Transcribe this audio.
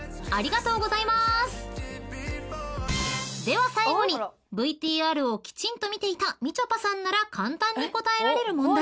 は最後にＶＴＲをきちんと見ていたみちょぱさんなら簡単に答えられる問題］